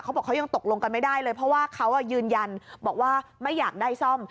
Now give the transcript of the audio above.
บอกเขายังตกลงกันไม่ได้เลยเพราะว่าเขายืนยันบอกว่าไม่อยากได้ซ่อม